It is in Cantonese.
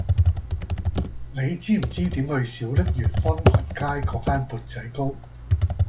你知唔知點去小瀝源安群街嗰間缽仔糕